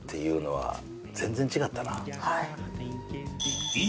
はい。